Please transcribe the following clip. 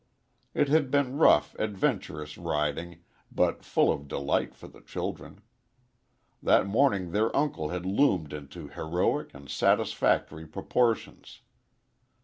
It had been rough, adventurous riding, but full of delight for the children. That morning their uncle had loomed into heroic and satisfactory proportions.